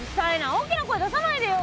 大きな声出さないでよ。